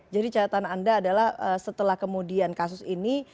jadi catatan anda adalah setelah kemudian kasus ini